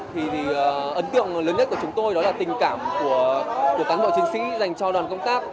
thì ấn tượng lớn nhất của chúng tôi đó là tình cảm của cán bộ chiến sĩ dành cho đoàn công tác